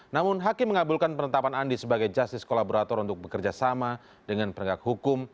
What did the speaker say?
namun hakim mengabulkan penetapan andi sebagai justice kolaborator untuk bekerja sama dengan penegak hukum